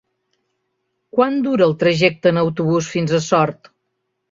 Quant dura el trajecte en autobús fins a Sort?